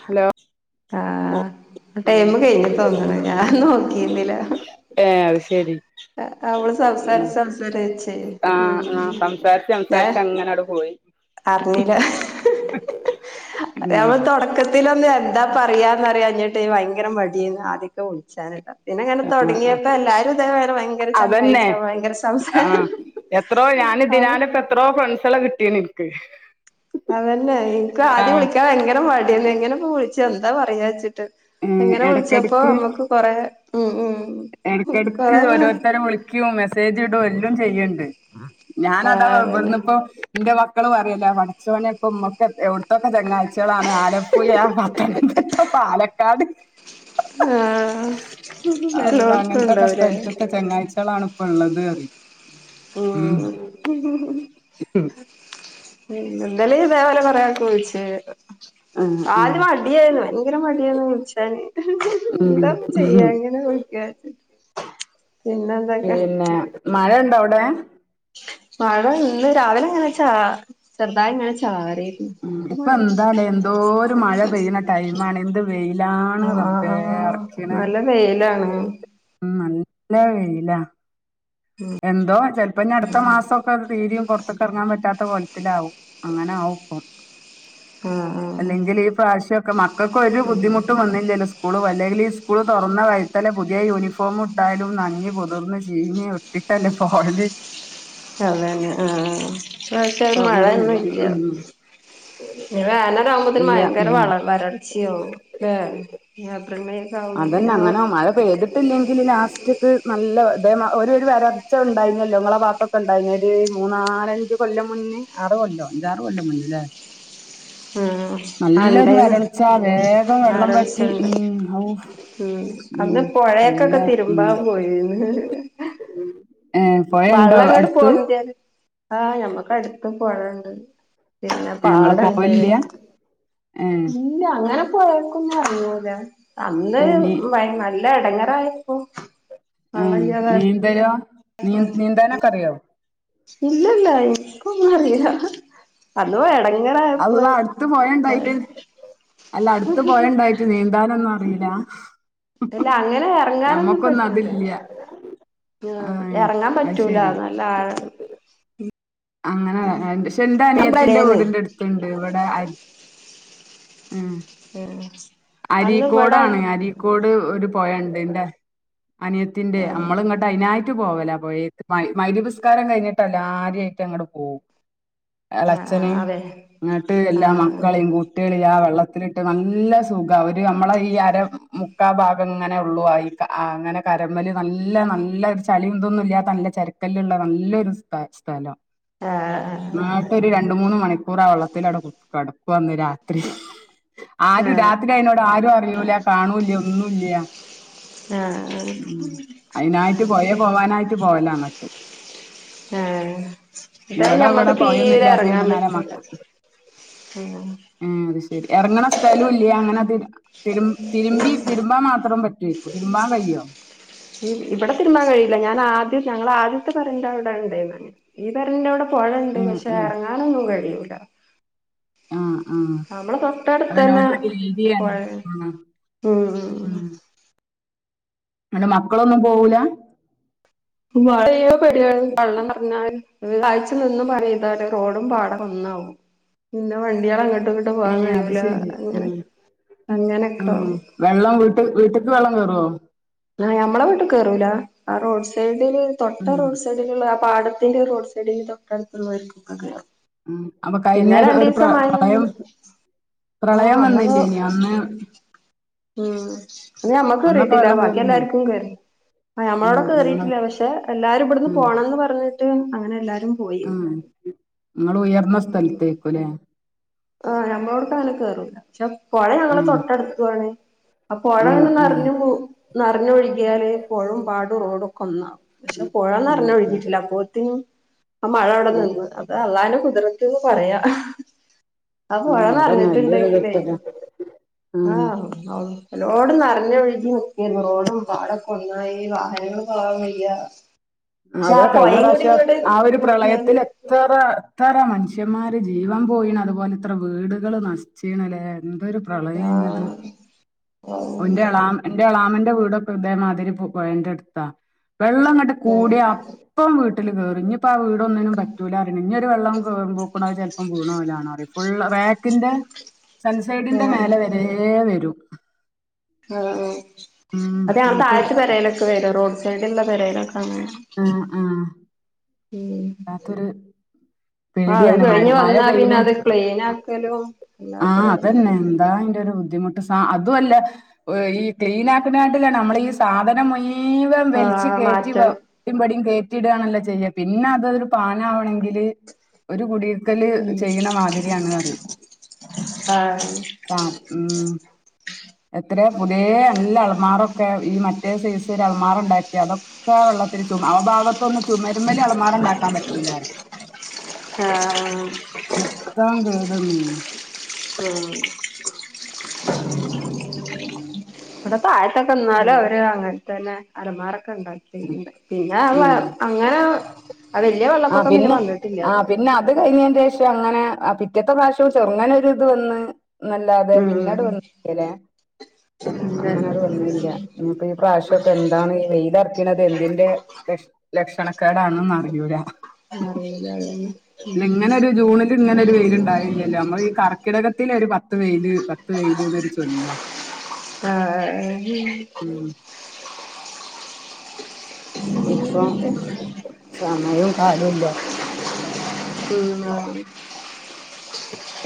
Hello ആ time കഴിഞ്ഞ് തോന്ന്ണ് ഞാൻ നോക്കീര്ന്നില്ല ഏ അത് ശരി അവള് സംസാരിച് സംസാരി വെച്ചേ ആഹ് ഉം ആഹ് സംസാരിച്ച് ഞാൻ സംസാരിച്ച് അങ്ങനട് പോയി അറിഞ്ഞില്ല. ഉം അവള് തൊടക്കത് ത്തിലൊന്ന് എന്താ പറയാന്നറിയാഞ്ഞിട്ട് ഭയങ്കര മടിയേന്ന് ആദ്യൊക്കെ വിളിച്ചാന്ട്ടോ പിന്നെ ങ്ങനെ തൊടങ്ങിയപ്പോ എല്ലാരും ഇതേ പോലെ ഭയങ്കര അതന്നെ ചങ്ങാഴ്ച്ച ഭയങ്കര ആഹ് സംസാരം എത്രോ ഞാൻ ആഹ് ഇതിനാലെ ഇപ്പ എത്രോ ഫ്രൺസാളെ കിട്ടീനിനിക്ക് അതെന്നെ ൻക്കും ആദ്യം വിളിക്കാൻ ഭയങ്കര മടിയേന്നു എങ്ങനെ ഇപ്പൊ വിളിച്ച് എന്താ പറയാ ച്ചിട്ട് ഏഹ് ഇങ്ങനെ വിളിച്ചപ്പോ എടക്കെടക്ക് ഞമ്മക്ക് കൊറെ ഉം ഉം എടക്കെടക്ക് കൊറെ കൊറെ ഓരോരുത്തര് വിളിക്കും മെസ്സേജ് ഇടും എല്ലും ചെയ്യ്ണ്ട് ഞാനതാ ആഹ് അതന്നെ ഇവിട്ന്ന് ഇപ്പം ന്റെ മക്കള് പറയൊല്ലോ പടച്ചോനെ ഇപ്പൊ മ്മക്ക് എവിട്ത്തൊക്കെ ചങ്ങായി ച്ചാളാണ് ആലപ്പുയ, പത്തനംതിട്ട, പാലക്കാട് ആ അല്ലാഹ് അങ്ങനെത്തൊക്കെ സ്ഥലത്ത്ത്തെ ചങ്ങായ്ച്യാളാണ് ഇപ്പള്ളത് പറയും ഉം പിന്നെ ഇന്നലെ ഇതേപോലെ കൊറേ ആക്ക് വിളിച്ച് ആഹ് ആഹ് ആദ്യം മട്യേയിന്നു ഭയങ്കര മടിയേയിന്നു വിളിച്ചാന് ഉം എന്താപ്പൊ ഉം ചെയ്യാ എങ്ങനെ വിളിക്ക [inaudible] പിന്നെ മഴണ്ടോ അവടെ മഴ ഇന്ന് രാവിലെങ്ങനെ ചാ ചെറുതായിങ്ങനെ ചാറി ഉഉം ഇപ്പൊ എന്താലെ എന്തോരു മഴ പെയ്യുന്ന ടൈമാണ് എന്ത് വെയിലാണ് റബ്ബേ ആ അറക്കണ് നല്ല വെയിലാണ് ഉം നല്ല വെയില എന്തോ ചെലപ്പോ ഞ അടുത്ത മാസൊക്കെ [unintelligible] പൊറത്ത്ക്കെറങ്ങാൻ പറ്റാത്ത കോലത്തിലാവും അങ്ങനെ ആകും ഇപ്പം ആഹ് ആഹ് അല്ലെങ്കിൽ ഈപ്രാശം പ്പൊ മക്കക്കൊരു ബുദ്ധിമുട്ടും വന്നില്ലല്ലോ സ്കൂളും അല്ലെങ്കിൽ സ്കൂള് തൊറന്ന വയ്താലേ പുതിയ യൂണിഫോം ന്തായാലും നഞ്ഞ് പൊതിർന്ന് ചീഞ് ഒട്ടിട്ടല്ലേ പോല് അതെന്നെ ആ ഇപ്പൊ ഇപ്രാവശ്യം ഒന്നുംല്ല മഴൊന്നുംല്ല ഉം ഞ്ഞി വേനലാവുമ്പോത്ത്ന് ഇല്ല ഭയങ്കര ഉം വള വരൾച്യാവും ല്ലെ അതെന്നെ അങ്ങനെ മഴ പെയ്തിട്ടില്ലെങ്കില് ലാസ്റ്റ് നല്ല അ ഒരു ഒരു വരൾച്ചണ്ടായിര്ന്നല്ലോ ങ്ങളെ വാത്തൊക്കെ ഉണ്ടായിന്നൊരു മൂന്നാലഞ്ച് കൊല്ല മുന്നേ ആറ് കൊല്ലോ അഞ്ചാറ് കൊല്ലം മുന്നെ ല്ലേ [unintelligible] ആ ആ ഇണ്ടേയ്ന്ന് വരൾച്ച വേഗം വെള്ളം വറ്റി വരൾച്ചണ്ടേ ഉം ഔ ഉം അന്ന് ഉം നല്ല പുഴക്കൊക്കെ ഉം തിരുമ്പാ പോയിന്ന് ഏ പൊഴണ്ടോ വെള്ളം അങ്ങോട്ട് പോ അടുത്ത് ആഹ ഞമ്മക്ക് അടുത്ത പോുണ്ട് പിന്നെ ഇങ്ങള് പാടുണ്ട് പോവലില്ല ഏഹ് ഇല്ല അങ്ങനെ പോയക്കും പറഞ്ഞരാൻ അന്ന് ഏഹ് നീ നല്ല ഇടങ്ങറയപ്പോൊ ആ നീന്തരുവാ ഇല്ലല്ല റ അതവാ ഇടങ്ങ [unintelligible] അള്ളാ അടുത്ത പോയ ഉണ്ടായിട്ട് അല്ല അടുത്ത പോയണ്ടായിട്ട് നീന്താനൊന്ന ഇല്ല ഇല്ല അങ്ങനെ ഇറങ്ങാനൊന്നും പറ്റൂല അതില്ല ആ ഏഹ് ഇറങ്ങാൻ അത് പറ്റൂല ശരി നല്ല ആഴാണ്. അങ്ങനെ പക്ഷെ എന്റെ ഞാൻ അനിയത്തിറെ ഇബടേന്ന് വീടിന്റെ അടുത്ത്ണ്ട് ഇവിടെ അരു ആഹ് ഉം അന്ന് ഇവടെ അരീക്കോടാണ് അരീക്കോട് ഒരു പൊയ്യ ഉണ്ട്ന്റെ അനിയത്തിന്റെ, ആഹ് നമ്മൾ ഇങ്ങോട്ട് അതിനായി മു പോവല പോയ മര്യപസ്കാരം കഴിഞ്ഞിട്ട് എല്ലാവരും ആയിട്ട് അങ്ങടെ പോവും. ആഹ് ഇളച്ഛന ആഹ് അതെ ഇങ്ങോട്ട് എല്ലാം ആഹ് മക്കളെയും കുട്ടികളെയ ആ വെള്ളത്തിലിട്ട് നല്ല സൂ അവര് നമ്മളെ ഈ അര മുക്കാ ഭാഗം ഇങ്ങനെ ഉള്ളു ഈ അങ്ങനെ കരമ്പലി നല്ല നല്ല നല്ല ചളി എന്തൊന്നും ഇല്ലാത്ത നല്ല ചെരക്കല്ലള്ള നല്ലൊരു സ് സ്ഥലം ആഹ് ആഹ ശരി രണ്ട മൂന്ന് മണിക്കൂർ ആ വെള്ളത്തിലടെ കടപ്പ വന്ന് രാത്രി ആ രാത് എന്നോട് ആരും അറിയൂല കാണൂല ഒന്നുമല്ല ആഹ് ആഹ് ഉം അയിനായി പോയ പോവാനായിട്ട് പോല അങ്ങട്ട് ആഹ് ഇതാ ഇവിടെ ഇവിടെ ഞമ്മക്ക് തീരെ പോയന്നില്ലാത്ത എറങ്ങാൻ ഇതിനാല പറ്റൂല മക്ക ഉം ആ അത് ശരി എറങ്ങണ സ്ഥലും ഇല്ലേ അങ്ങനെ തി രു തിരുമ്പി തിരുമ്പാ മാത്രം പറ്റുവക്കു തിരുമ്പാ കഴിയോ ഇവിടെ തിരുമാൻ കഴില്ല ഞാൻ ആദ്യം ഞങ്ങള ആദ്യത്തെ പറരന്റെ അവിടെ ഉണ്ടേൻ ഈ പറരന്റെ അവിടെ പുഴണ്ട് ഉം പക്ഷെ ഉം ഇറങ്ങാനൊന്നും കഴൂല ഉ ഉ തന്നെ അതന്നതി പുഴയാണ് ഉം ഉ അറെ മക്കളൊന്നും പോവല വഴയോ പെടികൾ വെള്ളം നിറഞ്ഞാും കാഴ്ച നിന്നും പറയുംത റോഡും പാടം ഒന്നാാവും പിന്നെ വണ്ടികൾ അങ്ങട്ട് ഏ എങ്ങട്ടുംപോകാൻ അത് കഴിയൂല ശെരി ഉം അങ്ങനെ അങ്ങനെയൊക്കെ ഉം ആവും വെള്ളം വീട്ട വീട്ട്‌ക്ക് വെള്ളം കേറോ ആ നമ്മള വീട്ട്ക്ക് കേറൂല ആ റോഡ് സൈഡില് തൊട്ട ഉം റോഡ് സൈഡിലുള്ള ആ പാട തിന്റെ റോഡ് സൈഡിന്റെ തൊട്ത്ത്ള്ളോ ൽ കൊക്കെ കേറും ഉം അപ്പൊ കഴിഞ്ഞ പിന്നെ ഒരു ഒരു പ്ര രണ്ടീസം മയേനി പ്രളയം ആ പ്രളയം അന്നന്നെ വന്നില്ലേനിയോ അന്ന് ഉം അന്ന് ഞമ്മക്ക് അന്നൊക്കെ കേറിട്ടില്ല വെള്ളം ബാക്കി കേറിഞ്ഞോ എല്ലാർക്കും കേറി ആ ഉം ഞമ്മളോടെ ഉം കേറിട്ടില്ല പക്ഷെ എല്ലാരും ഇബടന്ന് ഉം പോണംന്ന് പറഞ്ഞ് [unintelligible] അങ്ങനെ എല്ലാരും പോയി ഉം നിങ്ങള് ഉയർന്ന ഉം സ്ഥലത്തേക്കുംല്ലേ ആ ഞമ്മളോടു ക്ക് അങ്ങനെ കേറൂല പക്ഷെ പോഴഞങ്ങളെ ഉം തൊട്ടടുത്തുംണേ അ ഉം ഉം പൊഴങ്ങനെനിറഞ്ഞു നിറഞ്ഞ്ഒഴിക്കിയല് പൊഴുംപാടു റോഡൊക്കെ ഒന്നാ പക്ഷെ പുഴ ഉം നറഞ്ഞ് ഉം ഒഴുകിട്ടില്ല അപ്പൊത്തിനും ആ മഴ അവിടെ ഉം നിന്ന് വി ടെ അള്ളാന്റെ കുത്റത്ത് ന്ന്പറയാ ആ പുഴ ഉം അതന്നെ വല്യൊരു നറ്ഞ്ഞിട്ടുണ്ടെങ്കിലേ തെറ്റല്ലേ ആ ഉം റോഡ് നിറഞ്ഞ് ഒഴുകി നിക്കരുന്നു റോഡും പാടൊക്കെ ഒന്നായി വാഹനങ്ങള പോവാൻ വയ്യാ അതെ കഴിഞ്ഞ പ്രാവശ്യ ആ ഒരു നോക്കിയാല് പ്രളയത്തിൽ എത്ര എത്ര മനുഷ്യ ന്മാര് ജീവൻ പോയിണ് അതുപോലെ എത്ര വീടുകൾ നശിച്ചീ ണ്ല്ലേ എന്തെരു പ്രളയേനി അത് ഔ ഇന്റെ എളാ ന്റെ ന്റെ എളാമ ന്റെ വീടെക്കെ ഇതേമാതിരി പോയന്റെടുത്താ വെള്ളം ഇങ്ങട്ട് കൂടിയ അപ്പം വീട്ട് ല് കേറും ഇഞ്ഞ് പ്പോ ആ വീട് ഒന്നിനും പറ്റൂല അറിണ് ഇന്നെരു വെള്ളം കേറുപ്പോ ക്ന് അഹ് ചെൽപ്പം വീണ് പോ വാലാ ണറിം ഫുൾ റാക്കിന്റെ സൺസൈഡിന്റെ മേലെ വരെ വരും ആ ആ ഉം അതെ ഇങ്ങട്ട് താഴത്തെ പെരെലൊക്കെ വരും റോഡ് സൈഡ്ള്ള പെരെലൊക്കെങ്ങനെ ആ ആ ഉം ആ അത് പേടിയാണ് മഴ കഴിഞ്ഞ് മഴ വന്നാ പെയ്യ് പിന്നെ ണേ അത് ക്ലീൻ ആക്കലും ആ വല്ലാത്തൊരു അ തന്നെ എടങ്ങേറാ എന്താ യ്ന്റെ ബുദ്ധിമുട്ട് സാ അതു അല്ല ക്ലീനാക്ക് ണേകാട്ടീനും നമ്മളെ സാധനം മുയ് മുയ് വം ആ വലിച്ച് കയറ്റി വ മാറ്റണം ഔടി വടിംകേറ്റി ടാണല്ലോ ചെയ്യ പിന്നെ അതൊരു പാന ആവണെങ്കില് ഒരു കുടി ര്ക്കല് ഉം ചെയ്യണ മാതിരിയാണെന്ന് പറിം ആ ആ ഉം എത്രയ പുതിയ നല്ല അൾമാറൊക്കെ ഈ മറ്റേ സീസില് അൾമാർുണ്ടാക്കി അതൊക്കെ വെള്ള ത്തില് ചുമ ആ ഭാഗത്തൊന്നും ചുമരുമലി അലമാറ ഉണ്ടാക്കാൻ പറ്റൂല ആ [unintelligible] ഉം വടെ താഴ തന്നാലും വീണ് അവര് അങ്ങനെ തന്നെ അലമാര ക്കണ്ടാക്കിണ്ട് പിന്നെ അഅ് ആഹ് അങ്ങനെ ആ വല്യ ആ വെള്ളപ്പൊക്കം പിന്നെ വന്നിട്ടില്ല ആ തോന്നുന്നു പിന്നെ അത് കഴിഞ്ഞ് ഏകദേശം അങ്ങനെ ആ പിറ്റത്തെ പ്രാശ്യം ചെറുങ്ങനൊ ഒരു ഇത് വന്ന് നല്ലാതെ പിന്നീട് വന്നല്ലേ ച അങ്ങനെത് വന്നില്ല ഇനിപ്പോ ഈ പ്രാവശ്യമൊക്കെ എന്താണ് ഈ വെയിലറക്കണത് എന്ത്ന്റെ ലക്ഷ് ലക്ഷണ ക്കേടാണന്ന് അറിയൂല അറിയില്ല അതന്നെ ഇങ്ങനെ ഒരു ജൂണില് ഇങ്ങനെ ഒരു വെയിലുണ്ടായില്ലല്ലോ നമ്മൾ ഈ കർക്കിടകത്തില് ഒരു പത്ത് വെയില് പത്ത് വെയില് ന്നൊരു ചൊല്ലാ ആഹ് ഉം ഇപ്പൊ സമയും കാലവും ഇല്ല പിന്നെ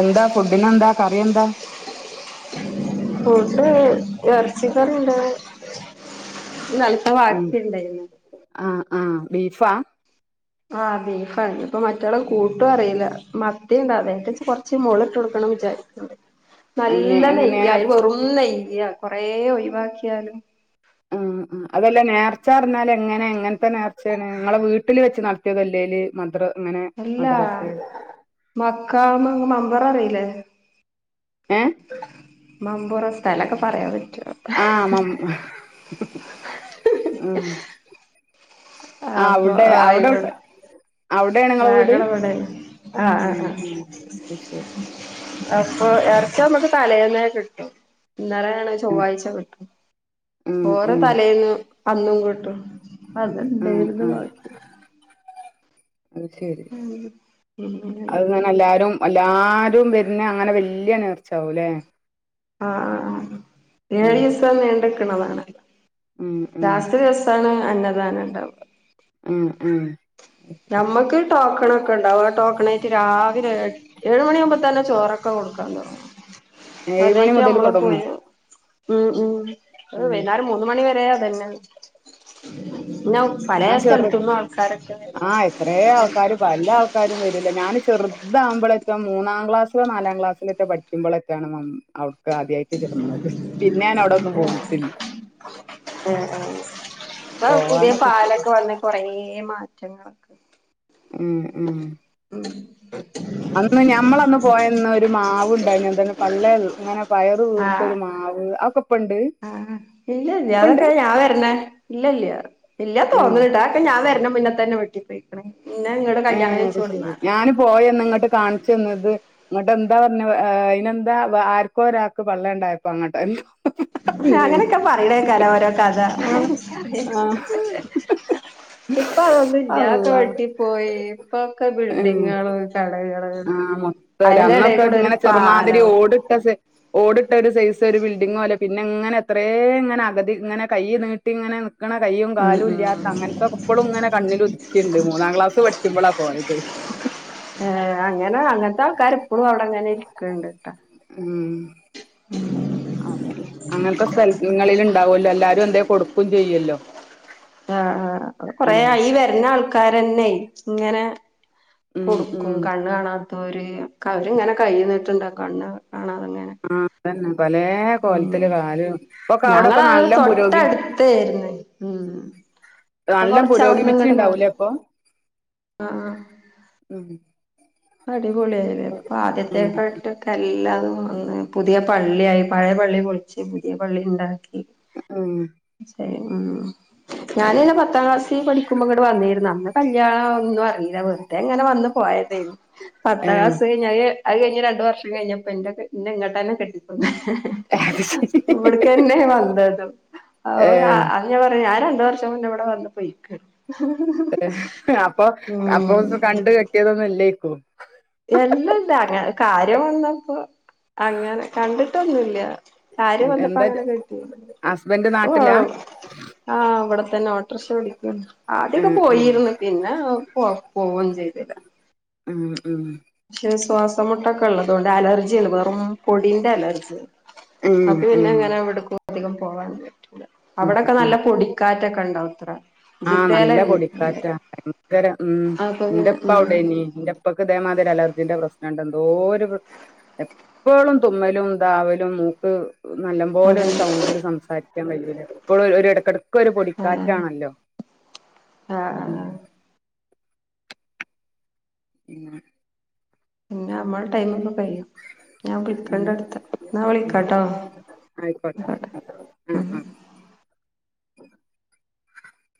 എന്താ ഫുഡിന് എന്താ കറി എന്താ ഫുഡ ഇറച്ചിക്കറി ണ്ട് ഇന്നലത്തെ വാക്കിണ്ടായിരുന്നു ആഹ ആഹ ബീഫാ ആഹ ബീഫാണ് ഇപ്പ മറ്റയാളെ കൂട്ടും അറിയില്ല മത്തിയണ്ട് അതായിട്ട കൊറച്ച് മുളിട്ട് കൊടുക്ക വിചാരിക് ണ്ട് പിന്നെ നല്ല നെയ്യായി എങ്ങനെയാ വെറും നെയ്യ കൊറേ ഒഴിവാക്കിയാലും ഉ അതല്ല നേർച്ച അറിഞ്ഞാൽ എങ്ങനെ എങ്ങനത്തെ നേർച്ചയാണ് ഞങ്ങളെ വീട്ടിൽ വെച്ച് നടത്തിയതല്ലേല് അല്ലാ മക്കാമ് മമ്പുറം അറിയില്ലേ ഏ മമ്പുറം സ്ഥലമൊക്കെ പറയാൻ പറ്റോ ആ ഉ ആ അപ്പൊ ആ ആയിക്കോടെ അവിടെയാണ് നിങ്ങളെ വീട് ഞങ്ങളെവിടെ ആഹ ആ ഉം ഉം അത് ശരി ആ അപ്പൊ ഇറച്ചി നമുക്ക് തലേന്ന കിട്ടും ഇന്നേലെ ചൊവ്വാഴ്ച കിട്ടും ഉം ചോറ് ഉം തലേന്ന് അന്നും കിട്ടും ഉം അത്ണ്ടായിരുന്നു ഉം ബാക്കി അത് ശരി അങ്ങനെ അത്ങ്ങെ എല്ലാരും എല്ലാരും വരുന്ന അങ്ങനെ വല്യ നേർച്ചാവല്ലേ ആ ആ ഏഴ് ദിവസം നീണ്ടെക്കണതാണല്ലോ ഉം ഉം ലാസ്റ്റ് ദിവസാണ് അന്നദാന ഉണ്ടാവുക ഉം ഉം അത് ശരി. നമ്മുക്ക് ടോക്കണ ഒക്കെണ്ടാവും ആ ടോക്കണ ആായിട്ട് രാവിലെ ഏഴ് മണിയ ആകുമ്പോ തന്നെ ചോറൊക്കെ കൊടുക്കാൻ തുടങ്ങും ഏഴ് മണി അതേറ്റ് മുതൽ നമ്മള് പോയി തുടങ്ങും ഉം ഉം ഉം വൈകുന്നാരും മൂന്ന മണി വരെയതന്നെ പലേ സ്ഥലം തിന്നും ആൾക്കാരൊക്കെ വരും ആഹ എത്ര ആൾക്കാർ പല ആൾക്കാരും വരില്ല ഞാൻ ചെറുതാവകുമ്പോളെ മറ്റം മൂന്നാം ക്ലാസിലോ നാലാം ക്ലാസ്സില ഒക്കെ പഠിക്ക്പോളെക്കെയാണ് ആദ്യായിട്ട് ചേർന്നത് പിന്നെ ഞാന അവിട ഒന്നും പോയിട്ടില്ല ആ ഇൊ പുതിയ പോവാനൊക്കെ ഇഷ്ട പാലൊക്കെ വന്ന് കൊറ മാറ്റങ്ങളൊക്കെ ഉ ഉ അന്ന് ഞമ്മളന്ന് പോയന്ന ഒരു മാവ ഉണ്ടായി എന്ത പള്ള ഇങ്ങനെ വയർ തീർത്തൊരു മാവ് അ ആഅതൊക്ക ആഹ ഇല്ലല്ല അതൊക്കെ ഞാൻ വരണേ ഇല്ലല്ല ഇല്ല ഉം തോന്നില്ലാ അക്കെ ഞാൻ വരുന്ന മുന്നേ തന്നെ വെട്ടിപ്പോയിക്കണേ ഏ അത് ശെരി ഞാന് പോയന്ന് ഇങ്ങോട്ട് കാണിച്ചന്നത് അങ്ങോട്ട് എന്താ പറഞ്ഞ അതിനന്താ ആർക്കോ ഒരാൾക്ക് പള്ളയ ഉണ്ടായപ്പോ അങ്ങോട്ട് അങ്ങനെയൊക്കെ പറയനെക്ക ഓരോ കഥ ആഹ് ആഹ് ഇപ്പൊ അതൊന്നും ഇല്ലാത്തെ അള്ളാ വെട്ടി പോയി ഇപ്പൊക്കെ ബിൽഡിങ്ങളും ചടങ്ങുകളും ആ മൊത്തം അല്ലേ അന്നൊക്കെ ഇങ്ങനെ ചെറുമാതിരി ഓടിട്ട ഓടിട്ട ഒരു സൈസ് ഒരു ബിൽഡിങ്ങ അല്ലേ പിന്നെങ്ങനെ എത്ര ഇങ്ങനെ അകതി ഇങ്ങനെ കൈ നീട്ടി ഇങ്ങനെ ഇണ കൈ്യ ഉം കാലും ഉം ഇല്ലാത്ത അങ്ങനത്തെക്കെപ്പുംങ്ങനെ കണ്ണിൽുതുക്കിണ്ട്മൂന്നാംക്ലാസ്സ്‌ പഠിക്കുമ്പോള പോയത് ഏർ അങ്ങനെ അങ്ങനത്തെ ആൾക്കാർ ഇപ്പോഴും അവിടെ അങ്ങനെ ഇരിക്കണ്ട്ട്ടാ ഉം അ അങ്ങനത്തെ സ്ഥലങ്ങളിൽ ഉണ്ടാവല്ലോ എല്ലാരും എന്തേ കൊടുക്കയും ചെയ്യല്ലോ ആഹ് അ കൊറ ഉം ഈ വരുന്ന ആൾക്കാരെന്നെ ഇങ്ങനെ ഉം ഉം കൊടുക്കും കണ്ണ് കാണാത്തര് അവരിങ്ങനെ കഴുന്നിട്ടുണ്ടാക്കും കണ്ണ് കാണാത ആ അതന്നെ പല കോലത്തില് കാല ഇപ്പൊക്കെ അവിടൊക്കെ ഞങ്ങളത് നല്ല പുരോഗി തൊട്ടടുത്തായിരുന്നു ഉം ഇപ്പൊ നല്ലോ പുരോഗമിച്ചുണ്ടാവൂലേ ഇപ്പൊ ആ അടിപൊളിയല്ലേ ഇപ്പൊ ഉം ആദ്യത്തെക്കാട്ടൊക്കെ എല്ലാം പുതിയ പള്ളിയ ആായി പഴയ പള്ളി പൊളിച്ച് പുതിയ പള്ളി ഉണ്ടാക്കി ആ മം ഞാന് അയിന് പത്താം ക്ലാസ്സിൽ പഠിക്കുമ്പോ ഇങ്ങട്ടടെ വന്നിരുന്നു അന്ന് കല്യാണം ഒന്നും അറിയില്ല വെറുതെ എങ്ങനെ വന്നു പോയതേ പത്താം ഏഹ് ക്ലാസ് കഴിഞ്ഞാല് അത് കഴിഞ്ഞഞ് രണ്ടു വർഷം കഴിഞ്ഞപ്പം ഇന്നെ ഇങ്ങട്ടെന്നെ കെട്ടിക്കുന്ന് അത് ശരി ഇവിടക്കന്നെ വന്നതും അ ഏഹ് അഞ [unintelligible] പറഞ്ഞു ആഞര [unintelligible] വർഷം മുന്നെ ഇവിടെ വന്ന് പോയിക്കണ് അപ്പം ഉം അപ്പം കണ്ട് കെട്ടിയതൊന്നും അല്ലേയ്ക്കും എല്ലല്ല അങ്ങനെ കാര്യം വന്നപ്പോ അങ്ങനെ കണ്ടിട്ടൊന്നുമില്ല കാര്യ വന്നപ്പോ എന്താ അങ്ങനെ കെട്ടിയത് ഹസ്ബൻഡ് ഓ നാട്ടിലാ ആ [unintelligible] ഓട്ടോറിക്ഷ ഓടിക്കുകയാണ് ആദ്യൊക്കെ ഉം ഉം പോയിരുന്നു പിന്നെ പോ പോകും ചെയ്തില്ല മം മം പക്ഷെ ശ്വാസം മുട്ടൊക്കെ ഉള്ളത്തുകൊണ്ട് അലർജിയല്ല വെറും പൊടിന്റെ അലർജി അപ്പൊ ഉം പിന്നെ ഉം എങ്ങനാവിടുക്കും അധികം പോകൻ പറ്റൂല ഉം അവിടെക്കെ നല്ല പൊടിക്കാറ്റൊക്കെ ഉണ്ടാവും അത്ര ആ ജിദ്ദേല നല്ല ഉണ്ട് പൊടിക്കാറ്റാ ഭയങ്കര മം അപ്പൊ എൻന്റെ പിന്നെ ഇപ്പാ ഉം അവിടെ നീ എന്റെ ഇപ്പൊക്ക് ഇതേമാതിരി അലർജിന്റെ പ്രശ്നണ്ട് എന്തോ എപ്പോഴും തുമ്മലും ദാവലും നമക്ക് നല്ല പോലെ അതെ ഒരു സൗണ്ടില് സംസാരിക്കാൻ കയൂല ഇപ്പളും ഒരു ഇടക്കിടക്ക് ഒരു പൊടിക്കാറ്റാണല്ലോ ആ ഉം ആ പിന്നെ പിന്നെ നമ്മൾ ടൈം ഇപ്പം കഴിയും ഞാൻ ഉം വിളിക്കണ്ട അടുത്ത്എന്നാ ഉം വിളിക്കാട്ടോ ആയിക്കോട്ടെ ആ ഉം ആ [inaudible]